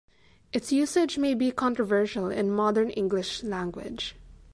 Its usage may be controversial in modern English language.